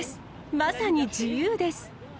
まさに自由です。